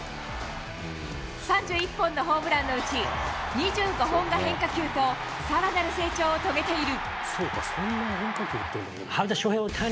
３１本のホームランのうち、２５本が変化球と、さらなる成長を遂げている。